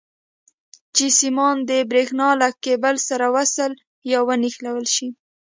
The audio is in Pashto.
چې سیمان د برېښنا له کیبل سره وصل یا ونښلول شي.